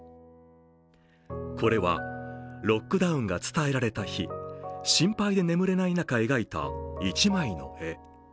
これはロックダウンが伝えられた日心配で眠れない中描いた一枚の絵。